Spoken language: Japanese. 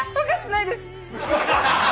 分かってないです。